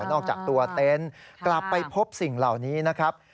นอกจากตัวเต็นต์กลับไปพบสิ่งเหล่านี้นะครับ